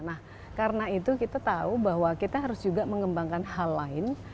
nah karena itu kita tahu bahwa kita harus juga mengembangkan hal lain